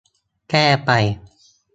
แก้ไป